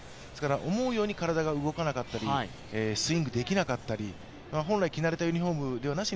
思うように体が動かなかったり、スイングできなかったり本来着慣れたユニフォームではなく、